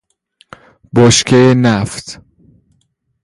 بشکه نفت